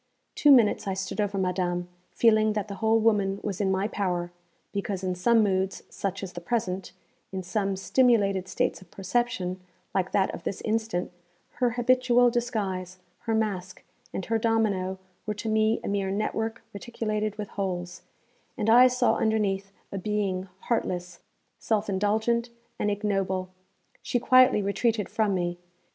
Two minutes I stood over madame, feeling that the whole woman was in my power, because in some moods, such as the present, in some stimulated states of perception, like that of this instant, her habitual disguise, her mask, and her domino were to me a mere network reticulated with holes; and I saw underneath a being heartless, self indulgent, and ignoble. She quietly retreated from me.